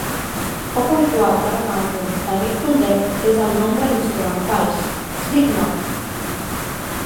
Poc habitual per a un àlbum de Grateful Dead és el nombre d'instrumentals: Slipknot!